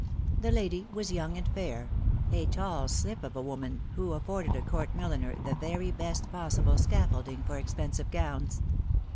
The lady was young and fair, a tall slip of a woman, who afforded a Court milliner the very best possible scaffolding for expensive gowns.